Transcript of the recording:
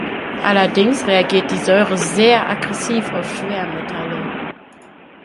Allerdings reagiert die Säure sehr aggressiv auf Schwermetalle.